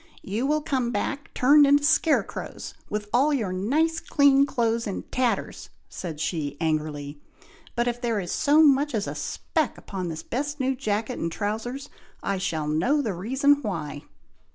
"You will come back, turned into scare crows, with all your nice clean clothes in tatters," said she, angrily; "but if there is so much as a speck upon this best new jacket and trowsers, I shall know the reason why."